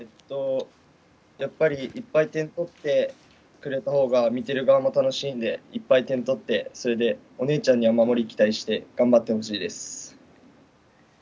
やっぱり、いっぱい点を取ってくれたほうが見ている側も楽しいんでいっぱい点を取ってそれでお姉ちゃんには守りを期待して頑張ってほしいです。